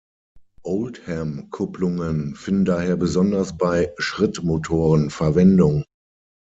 Oldham-Kupplungen finden daher besonders bei Schrittmotoren Verwendung.